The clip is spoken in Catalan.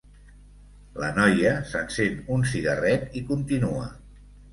La noia s'encén un cigarret i continua.